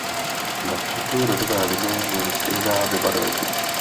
Ne všechny rodové linie měly stejná vybarvení.